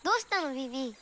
ビビ。